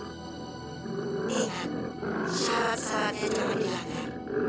ingat syarat syaratnya jangan dianggap